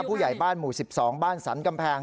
ผู้ใหญ่บ้านหมู่๑๒บ้านสรรกำแพง